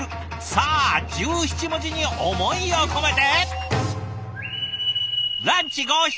さあ１７文字に思いを込めて。